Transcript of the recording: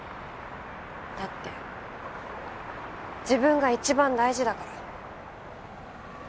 だって自分が一番大事だから。